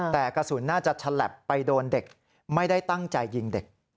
แต่กระสุนน่าจะฉลับไปโดนเด็กไม่ได้ตั้งใจยิงเด็ก